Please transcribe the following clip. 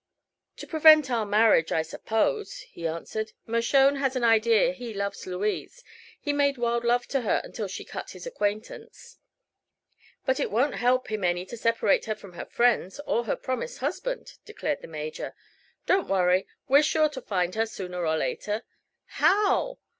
"To prevent our marriage, I suppose," he answered. "Mershone has an idea he loves Louise. He made wild love to her until she cut his acquaintance." "But it won't help him any to separate her from her friends, or her promised husband," declared the Major. "Don't worry. We're sure to find her, sooner or later." "How?